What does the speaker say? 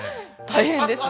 大変ですね。